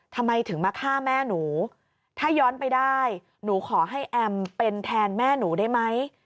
ทำไมถึงมาฆ่าแม่หนูถ้าย้อนไปได้หนูขอให้แอมเป็นแทนแม่หนูได้ไหม